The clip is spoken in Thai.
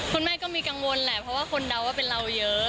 คุณแม่ก็มีกังวลแหละเพราะว่าคนเดาว่าเป็นเราเยอะ